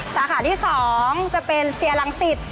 สาขาที่๒จะเป็นเซียรังสิต